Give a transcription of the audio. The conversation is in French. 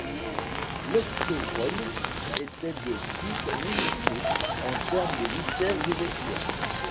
L'optophone était de plus limité en termes de vitesse de lecture.